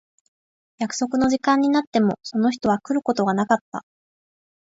約束の時間になってもその人は来ることがなかった。